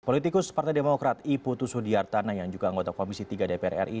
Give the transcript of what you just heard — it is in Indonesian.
politikus partai demokrat i putu sudiartana yang juga anggota komisi tiga dpr ri